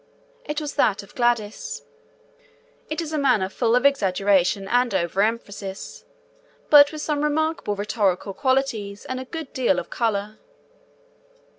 It was that of Gladys. It is a manner full of exaggeration and overemphasis, but with some remarkable rhetorical qualities and a good deal of colour.